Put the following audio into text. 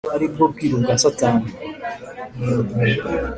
ari bwo bwiru bwa Satani